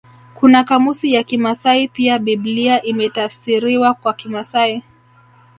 Kuna kamusi ya kimasai pia Biblia imetafsiriwa kwa kimasai